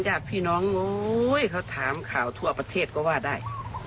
ญาติพี่น้องโอ๊ยเขาถามข่าวทั่วประเทศก็ว่าได้